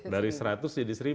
dari seratus jadi seribu